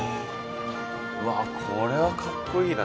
うわこれはかっこいいな。